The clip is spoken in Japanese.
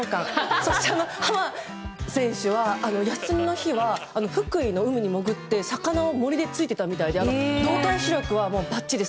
そして、濱選手は休みの日は、福井の海に潜って魚をモリで突いてたみたいで動体視力は、ばっちりです。